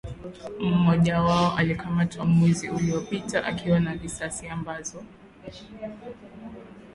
mmoja wao alikamatwa mwezi uliopita akiwa na risasi ambazo